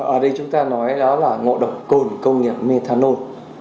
ở đây chúng ta nói đó là ngộ độc cồn công nghiệp methanol